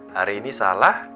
hari ini salah